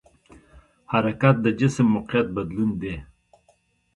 حرکت د جسم موقعیت بدلون دی.